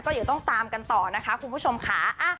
เดี๋ยวต้องตามกันต่อนะคะคุณผู้ชมค่ะ